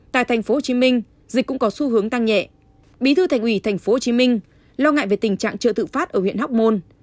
tại tp hcm dịch cũng có xu hướng tăng nhẹ bí thư thành ủy tp hcm lo ngại về tình trạng trợ tự phát ở huyện hóc môn